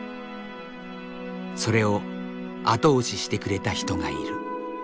それを後押ししてくれた人がいる。